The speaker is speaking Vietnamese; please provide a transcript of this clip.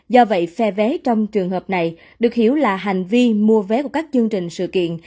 do vậy phe vé trong trường hợp này được hiểu là hành vi mua vé của các chương trình sự kiện